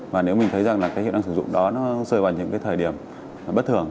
và nếu mình thấy rằng là cái hiệu năng sử dụng đó nó rơi vào những cái thời điểm bất thường